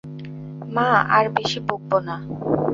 মা, আর বেশি বকব না।